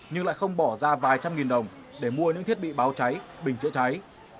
nhưng lại không bỏ ra vài trăm nghìn đồng để mua những thiết bị báo cháy bình chữa cháy